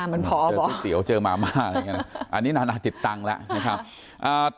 เหรอมันพอไหมเตี๋ยวเจอมามาอันนี้ตั้งแล้วนะครับ